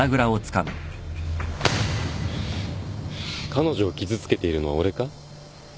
彼女を傷つけているのは俺か？